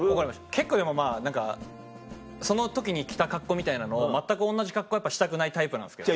結構でもまぁその時に着た格好みたいなのを全く同じ格好したくないタイプなんですけど。